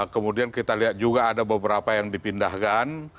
kemudian kita lihat juga ada beberapa yang dipindahkan